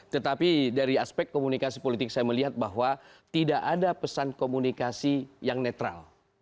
tetapi dari aspek komunikasi politik saya melihat bahwa tidak ada pesan komunikasi yang netral